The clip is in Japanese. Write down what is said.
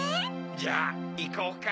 じゃあいこうか。